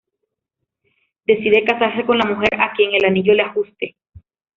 Decide casarse con la mujer a quien el anillo le ajuste.